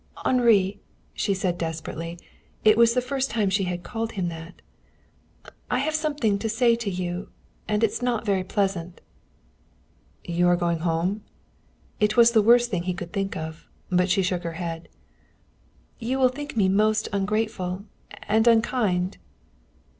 "Henri," she said desperately it was the first time she had called him that "I have something to say to you, and it's not very pleasant." "You are going home?" It was the worst thing he could think of. But she shook her head. "You will think me most ungrateful and unkind."